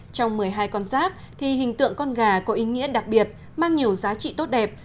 trong một mươi hai con giáp thì hình tượng con gà có ý nghĩa đặc biệt mang nhiều giá trị tốt đẹp